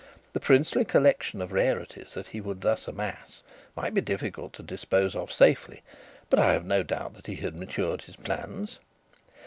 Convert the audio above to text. The princely collection of rarities that he would thus amass might be difficult to dispose of safely, but I have no doubt that he had matured his plans.